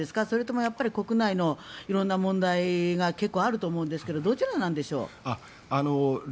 それとも、国内のいろんな問題が結構あると思うんですけどどちらなんでしょう？